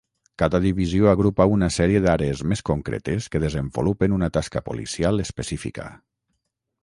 Cada divisió agrupa una sèrie d'àrees més concretes que desenvolupen una tasca policial específica.